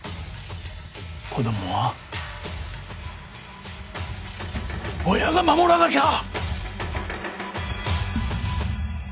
子どもは親が守らなきゃ！ねえ？